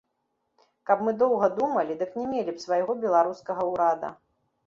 Каб мы доўга думалі, дык не мелі б свайго беларускага ўрада.